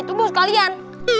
itu bos kalian